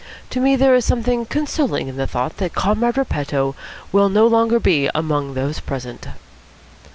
To me there is something consoling in the thought that Comrade Repetto will no longer be among those present."